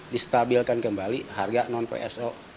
distabilkan kembali harga non pso